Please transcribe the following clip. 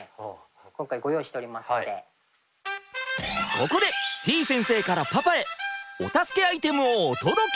ここでてぃ先生からパパへお助けアイテムをお届け！